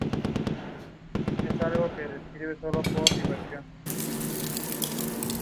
Además del título de Contador Auditor.